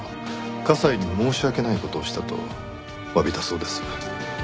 加西に申し訳ない事をしたと詫びたそうです。